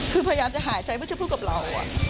คือพยายามจะหายใจเพื่อจะพูดกับเรา